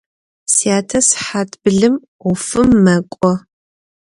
Сятэ сыхьат блым ӏофым мэкӏо.